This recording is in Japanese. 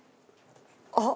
あっ！